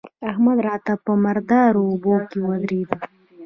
احمد راته په مردارو اوبو کې ودرېد.